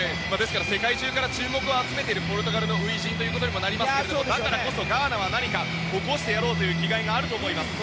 世界中から注目を集めているポルトガルの初陣となりますがだからこそガーナは何か起こしてやろうと思っていると思います。